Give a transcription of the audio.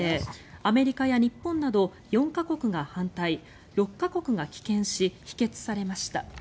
アメリカや日本など４か国が反対６か国が棄権し否決されました。